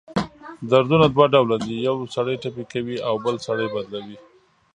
دردونه دوه ډؤله دی: یؤ سړی ټپي کوي اؤ بل سړی بدلؤي.